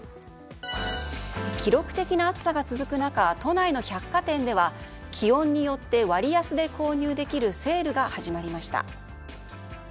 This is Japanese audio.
記録的な暑さが続く中都内の百貨店では気温によって、割安で購入できるセールが始まりました。